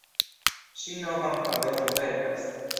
Ŝi novan fabelon verkas!